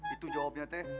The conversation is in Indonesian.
itu jawabnya teh